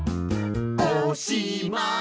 「おしまい」